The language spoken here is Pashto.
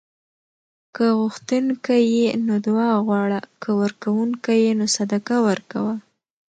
که غوښتونکی یې نو دعا غواړه؛ که ورکونکی یې نو صدقه ورکوه